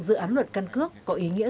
dự án luật căn cước có ý nghĩa